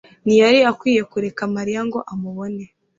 ntiyari akwiye kureka Mariya ngo amubone.